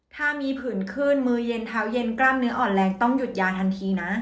ถ้ามีผื่นขึ้นมือเย็นเท้าเย็นกล้ามเนื้ออ่อนแรงต้องหยุดยาทันทีนะ